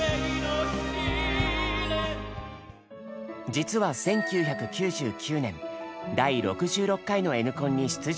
実は１９９９年第６６回の「Ｎコン」に出場した経験が。